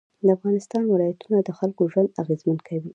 د افغانستان ولایتونه د خلکو ژوند اغېزمن کوي.